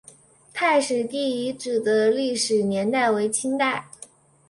太史第遗址的历史年代为清代。